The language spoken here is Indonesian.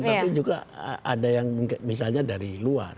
tapi juga ada yang misalnya dari luar